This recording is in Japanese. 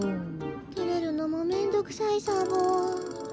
てれるのもめんどくさいサボ。